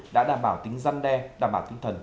đã đảm bảo tính răn đe đảm bảo tinh thần